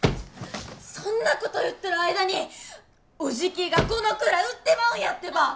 そんなこと言っとる間におじきがこの蔵売ってまうんやってば！